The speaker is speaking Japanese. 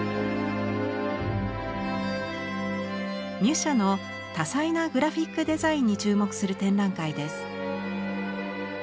ミュシャの多彩なグラフィックデザインに注目する展覧会です。